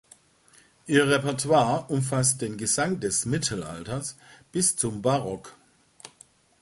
Ihr Repertoire umfasst den Gesang des Mittelalters bis zum Barock.